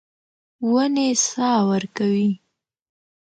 ونې سا ورکوي.